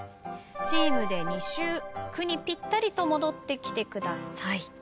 チームで２周「く」にぴったりと戻ってきてください。